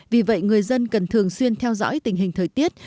vì vậy người dân cần thường xuyên theo dõi tình hình thời tiết